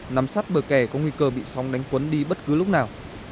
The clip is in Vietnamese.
nắm sát bờ kè có nguy cơ bị sóng đánh cuốn đi bất cứ lúc nào